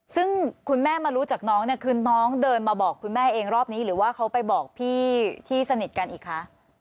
ซึ่งคุณแม่มารู้จักน้องเนี่ยคือน้องเดินมาบอกคุณแม่เองรอบนี้หรือว่าเขาไปบอกพี่ที่สนิทกันอีกคะ